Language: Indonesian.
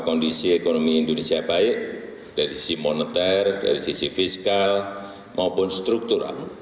kondisi ekonomi indonesia baik dari sisi moneter dari sisi fiskal maupun struktural